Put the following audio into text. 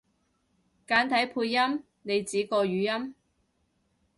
簡體配音？你指個語音？